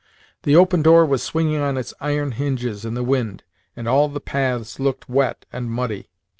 The open door was swinging on its iron hinges in the wind, and all the paths looked wet and muddy.